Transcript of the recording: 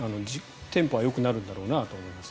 テンポはよくなるんだろうなとは思います。